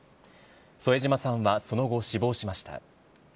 添島さんはその後、死亡しました。